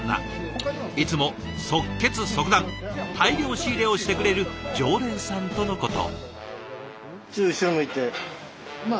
いつも即決即断大量仕入れをしてくれる常連さんとのこと。